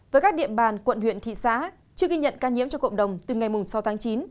với các địa bàn quận huyện thị xã chưa ghi nhận ca nhiễm cho cộng đồng từ ngày sáu tháng chín